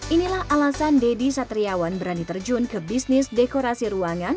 inilah alasan deddy satriawan berani terjun ke bisnis dekorasi ruangan